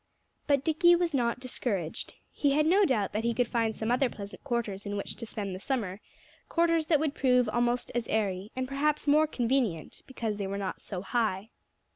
But Dickie was not discouraged. He had no doubt that he could find some other pleasant quarters in which to spend the summer quarters that would prove almost as airy, and perhaps more convenient because they were not so high.